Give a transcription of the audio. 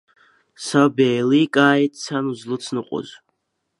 Саб еиликааит сан услыцныҟәоз.